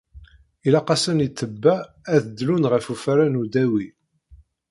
Ilaq-asen i ṭṭebba ad dlun ɣef ufara n udawi.